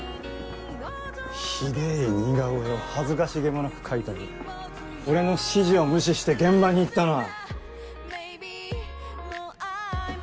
ひでぇ似顔絵を恥ずかしげもなく描いた上俺の指示を無視して現場に行ったのは。